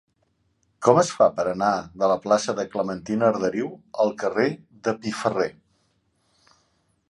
Com es fa per anar de la plaça de Clementina Arderiu al carrer de Piferrer?